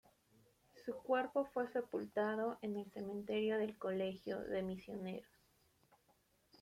Su cuerpo fue sepultado en el cementerio del Colegio de Misioneros.